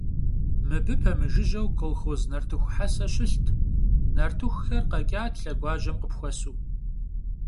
Mıbı pemıjjıjeu kolxoz nartıxu hese şılht, nartıxur kheç'at lheguajem khıpxuesu.